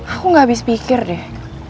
aku nggak abis pikir deh